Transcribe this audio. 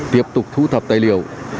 tiếp tục thu thập tài liệu